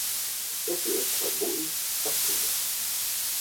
– Jeg sidder tålmodig og stille!